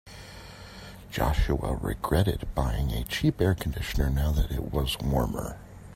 Joshua regretted buying a cheap air conditioner now that it was warmer.